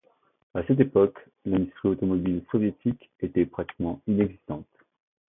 À cette époque, l'industrie automobile soviétique était pratiquement inexistante.